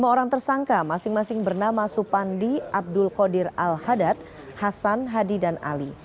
lima orang tersangka masing masing bernama supandi abdul qadir al hadad hasan hadi dan ali